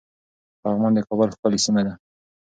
پغمان د کابل ښکلی سيمه ده